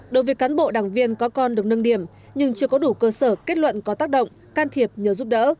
đối với cán bộ đảng viên có con được nâng điểm nhưng chưa có đủ cơ sở kết luận có tác động can thiệp nhờ giúp đỡ